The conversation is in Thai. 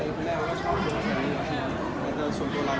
เลยคือแม่งจะชอบดูฉัน